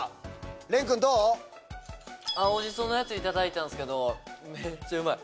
青じそのやついただいたけどめっちゃうまい！